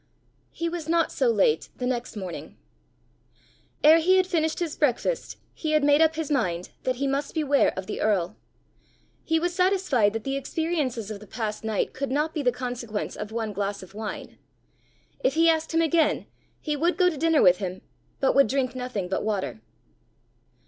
He was not so late the next morning. Ere he had finished his breakfast he had made up his mind that he must beware of the earl. He was satisfied that the experiences of the past night could not be the consequence of one glass of wine. If he asked him again, he would go to dinner with him, but would drink nothing but water.